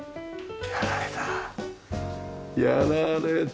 やられた。